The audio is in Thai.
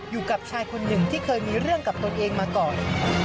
อยู่กับชายคนหนึ่งที่เคยมีเรื่องกับตนเองมาก่อน